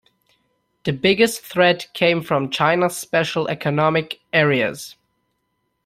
The biggest threat came from China's Special Economic Areas.